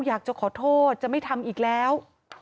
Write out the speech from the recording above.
อยากจะขอโทษจะไม่ทำอีกแล้ว